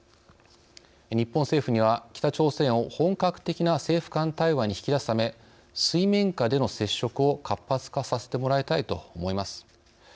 日本政府には北朝鮮を本格的な政府間対話に引き出すため水面下での接触を活発化させてもらいたいと思います。